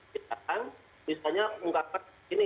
misalnya ungkapan begini